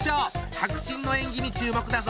迫真の演技に注目だぞ。